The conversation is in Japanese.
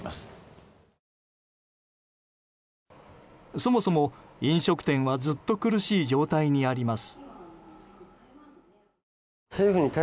そもそも、飲食店はずっと苦しい状態にあります。